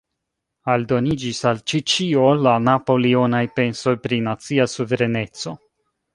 Aldoniĝis al ĉi-ĉio la napoleonaj pensoj pri nacia suvereneco.